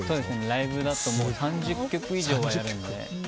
ライブだと３０曲以上はやるので。